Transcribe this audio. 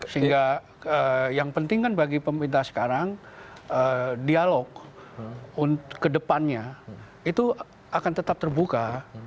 sehingga yang penting kan bagi pemerintah sekarang dialog ke depannya itu akan tetap terbuka